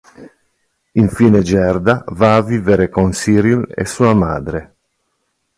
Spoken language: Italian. Infine Gerda va a vivere con Cyril e sua madre.